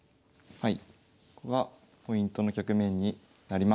はい。